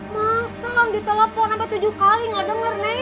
masa gak di telepon sampai tujuh kali gak denger neng